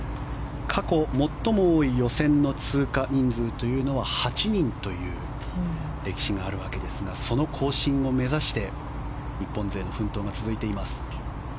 過去最も多い予選の通過人数というのは８人という歴史があるわけですがその更新を目指して日本勢の奮闘が続いています。